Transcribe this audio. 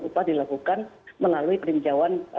upah dilakukan melalui peninjauan